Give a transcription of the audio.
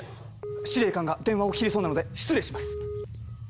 司令官が電話を切りそうなので失礼します！